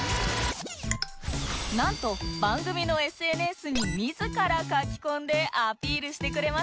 なんと番組の ＳＮＳ に自ら書き込んでアピールしてくれました